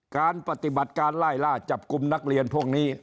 การปฏิบัติการไล่ล่าจับกลุ่มนักเรียนพวกนี้